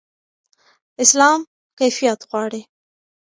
اسلام کیفیت غواړي.